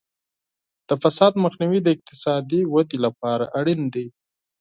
د فساد مخنیوی د اقتصادي ودې لپاره اړین دی.